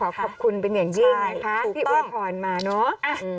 ต้องขอขอบคุณเป็นอย่างยิ่งนะคะที่วัดผ่อนมาเนอะ